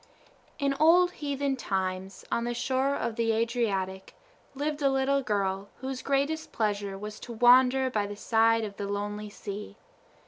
In old heathen times, on the shore of the Adriatic lived a little girl whose greatest pleasure was to wander by the side of the lonely sea.